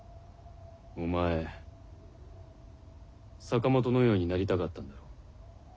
お前坂本のようになりたかったんだろう？